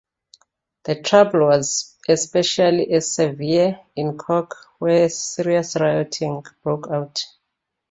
The trouble was especially severe in Cork, where serious rioting broke out.